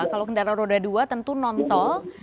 kalau kendaraan roda dua tentu non tol